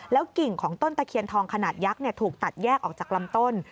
กิ่งของต้นตะเคียนทองขนาดยักษ์ถูกตัดแยกออกจากลำต้น